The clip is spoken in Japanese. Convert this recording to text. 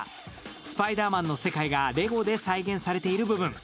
「スパイダーマン」の世界がレゴで再現されている部分。